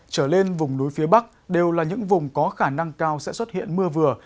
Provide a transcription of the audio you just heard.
trở lên vùng núi phía bắc đều là những vùng có khả năng cao sẽ xuất hiện mưa vừa